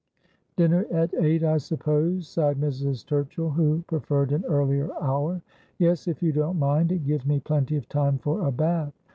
' Dinner at eight, I suppose,' sighed Mrs. Turchill, who pre ferred an earlier hour. ' Yes, if you don't mind. It gives me plenty of time for a bath.